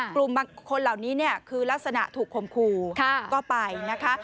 กลุ่มบางคนเหล่านี้เนี่ยคือลักษณะถูกคมคู่ก็ไปนะคะ